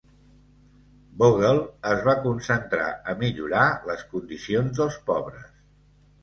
Bogle es va concentrar a millorar les condicions dels pobres.